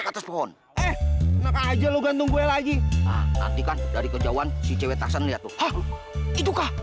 ke atas pohon aja lo gantung gue lagi nanti kan dari kejauhan si cewek tersenyum itu kah